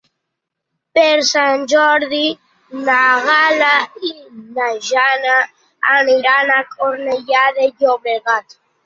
Per Sant Jordi na Gal·la i na Jana aniran a Cornellà de Llobregat.